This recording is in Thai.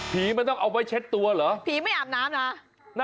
ผีมันต้องเอาไว้เช็ดตัวเหรอผีไม่อาบน้ำเหรอ